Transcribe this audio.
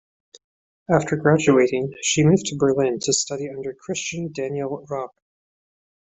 After graduating she moved to Berlin to study under Christian Daniel Rauch.